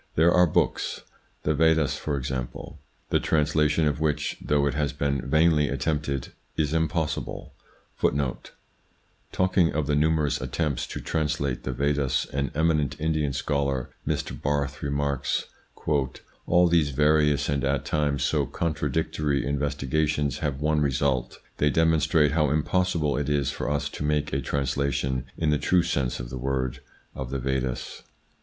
There are books, the Vedas for example, the translation of which, though it has been vainly attempted, is impossible. 1 It is difficult enough to penetrate the thought of the 1 Talking of the numerous attempts to translate the Vedas, an eminent Indian scholar, Mr. Earth, remarks: "All these various and at times so contradictory investigations have one result ; they demon strate how impossible it is for us to make a translation, in the true sense of the word, of the Vedas."